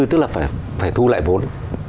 tức là phải thu lại vốn